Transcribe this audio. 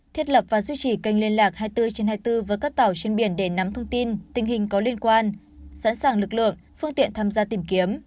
thiết lập và duy trì kênh liên lạc hai mươi bốn trên hai mươi bốn với các tàu trên biển để nắm thông tin tình hình có liên quan sẵn sàng lực lượng phương tiện tham gia tìm kiếm